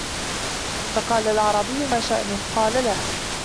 فَقَالَ الْأَعْرَابِيُّ مَا شَأْنُهُ ؟ قَالَ لَهُ